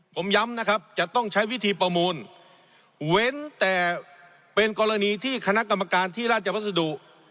ผมย้ำนะครับจะต้องใช้วิธีประมูลเว้นแต่เป็นกรณีที่คณะกรรมการที่ราชวัสดุ